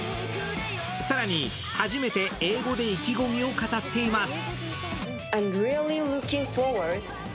更に初めて英語で意気込みを語っています。